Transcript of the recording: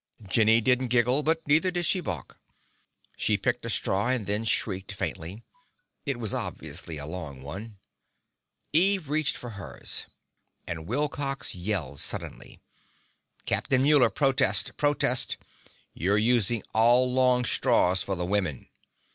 Jenny didn't giggle, but neither did she balk. She picked a straw, and then shrieked faintly. It was obviously a long one. Eve reached for hers And Wilcox yelled suddenly. "Captain Muller, protest! Protest! You're using all long straws for the women!"